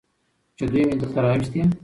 چې دوي مې دلته راوستي.